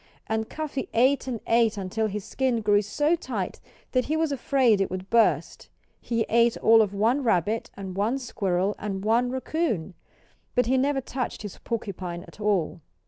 And Cuffy ate and ate until his skin grew so tight that he was afraid it would burst. He ate all of one rabbit, and one squirrel, and one raccoon. But he never touched his porcupine at all.